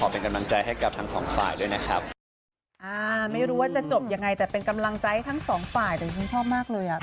เป็นกำลังใจให้ทั้งสองฝ่ายผมชอบมากเลย